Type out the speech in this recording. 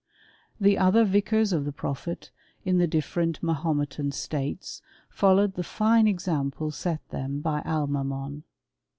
The other vicars of the prophet, in the different Mahometan states, followed the fine example set them b; Almamgn.